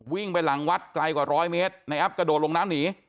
วิ่งไปหลังวัดไกลกว่าร้อยเมตรในแอปกระโดดลงน้ำหนี